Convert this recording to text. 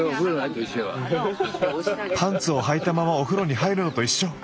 「パンツをはいたままお風呂に入るのと一緒」。